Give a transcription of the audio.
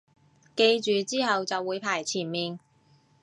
記住之後就會排前面